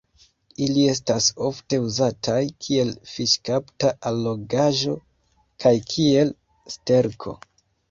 Ili estas ofte uzataj kiel fiŝkapta allogaĵo kaj kiel sterko.